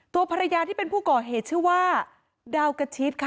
ตัวภรรยาที่เป็นผู้ก่อเหตุชื่อว่าดาวกระชิดค่ะ